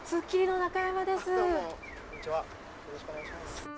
よろしくお願いします。